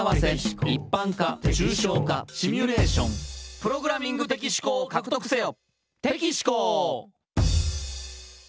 「プログラミング的思考を獲得せよ」